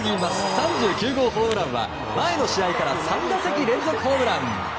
３９号ホームランは前の試合から３打席連続ホームラン！